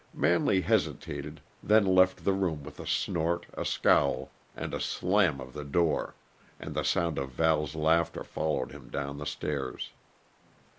Manley hesitated, then left the room with a snort, a scowl, and a slam of the door; and the sound of Val's laughter followed him down the stairs.